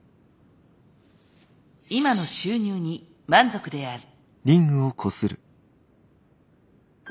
今の収入に満足である。